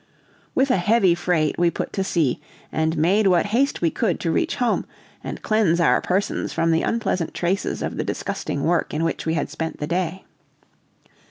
With a heavy freight we put to sea, and made what haste we could to reach home, and cleanse our persons from the unpleasant traces of the disgusting work in which we had spent the day.